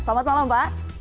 selamat malam pak